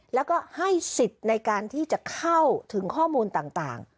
แล้วก็ให้สิทธิ์ในการที่จะเข้าถึงข้อมูลต่าง